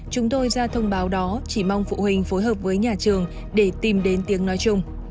chúng tôi ra thông báo đó chỉ mong phụ huynh phối hợp với nhà trường để tìm đến tiếng nói chung